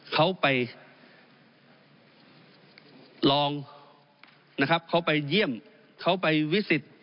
เขาไปลองเขาไปเยี่ยมเขาไปวิสิทธิ์